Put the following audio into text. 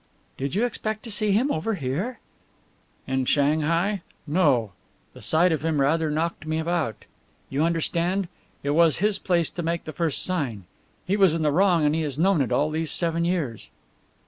"Did you expect to see him over here?" "In Shanghai? No. The sight of him rather knocked me about. You understand? It was his place to make the first sign. He was in the wrong, and he has known it all these seven years."